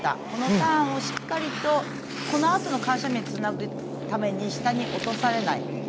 このターンをしっかりこのあとの緩斜面につなぐために下に落とされない。